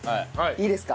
いいですか？